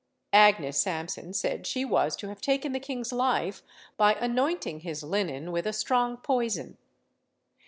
Agnes Sampson said she was to have taken the king's life by anointing his linen with a strong poison.